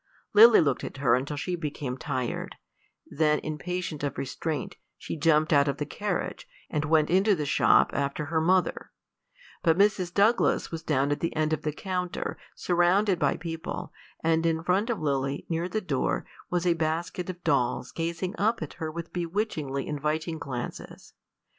Lily looked at her until she became tired; then, impatient of restraint, she jumped out of the carriage, and went into the shop after her mother; but Mrs. Douglas was down at the end of the counter, surrounded by people, and in front of Lily, near the door, was a basket of dolls gazing up at her with bewitchingly inviting glances.